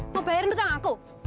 mau bayarin utang aku